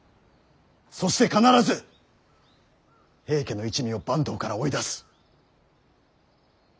そして必ず平家の一味を坂東から追い出す。